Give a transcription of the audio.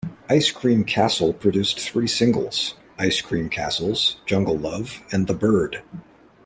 "Ice Cream Castle" produced three singles: "Ice Cream Castles", "Jungle Love", and "The Bird".